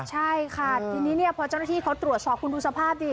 ใช่ค่ะทีนี้พอเจ้าหน้าที่เขาตรวจสอบคุณดูสภาพดิ